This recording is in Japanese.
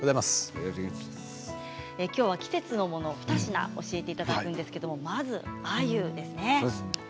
きょうは季節のもの２品教えていただくんですけどもまずはアユですね。